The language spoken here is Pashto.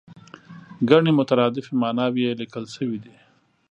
ګڼې مترادفې ماناوې یې لیکل شوې دي.